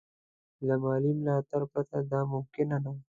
له مالي ملاتړه پرته دا ممکن نه وو.